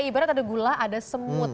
ibarat ada gula ada semut